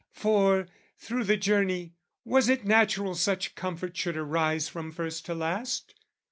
For, through the journey, was it natural Such comfort should arise from first to last?